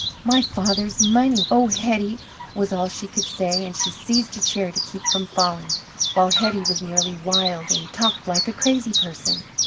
"My father's money! Oh, Hetty!" was all she could say, and she seized a chair to keep from falling, while Hetty was nearly wild, and talked like a crazy person.